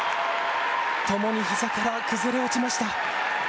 ともにひざから崩れ落ちました。